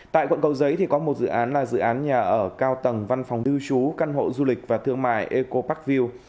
tại quận cầu giấy thì có một dự án là dự án nhà ở cao tầng văn phòng lưu trú căn hộ du lịch và thương mại eco parkview